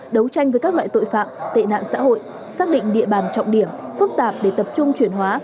đấu tranh với các loại tội phạm tệ nạn xã hội xác định địa bàn trọng điểm phức tạp để tập trung chuyển hóa